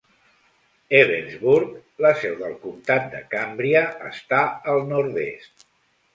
Ebensburg, la seu del comtat de Cambria, està al nord-est.